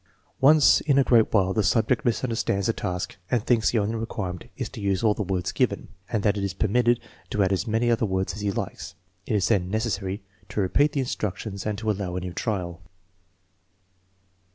Once in a great while the subject misunderstands the task and thinks the only requirement is to use all the words given, and that it is permitted to add as many other words as he likes. It is then necessary to repeat the in structions and to allow a new trial.